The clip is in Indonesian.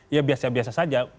ya biasa biasa saja